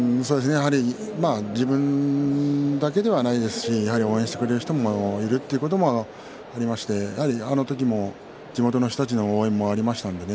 自分だけではないですし応援してくれる人もいるということもありましてあの時も地元の人たちの応援がありましたんでね。